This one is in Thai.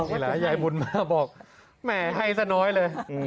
เยี่ยมมากแม่ให้สักน้อยเลย